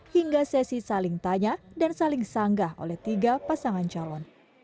hingga sesi saling tanya dan saling sanggah oleh tiga pasangan calon